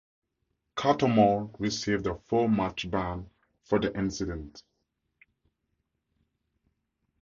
Cattermole received a four-match ban for the incident.